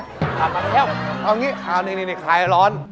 อาบมาเที่ยวเอาอย่างนี้คลายร้อน